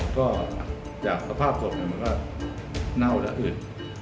ก็จากสภาพศพมันก็เน่าและอึด